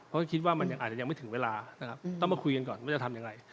ก็คิดว่ามันอาจจะยังไม่ถึงเวลาต้องมาคุยกันก่อนว่าจะทำอย่างไร